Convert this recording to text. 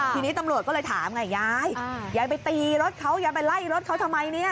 ทีนี้ตำรวจก็เลยถามไงยายยายไปตีรถเขายายไปไล่รถเขาทำไมเนี่ย